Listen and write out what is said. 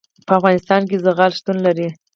په افغانستان کې زغال شتون لري.